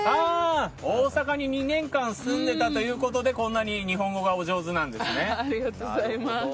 大阪に２年間住んでたということでこんなに日本語がお上手なんですね。